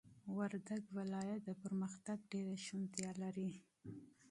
وردگ ولايت د پرمختگ ډېره شونتيا لري،